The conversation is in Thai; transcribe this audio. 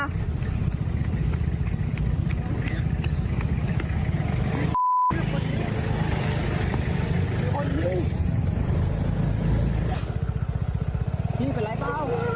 ไม่เป็นไรเปล่า